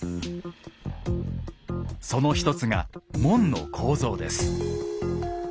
その一つが門の構造です。